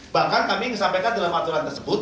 bahkan kami ingin sampaikan dalam aturan tersebut